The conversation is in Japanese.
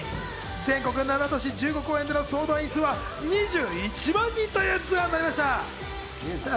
全国７都市１５公演での総動員数は２１万人というツアーになりました。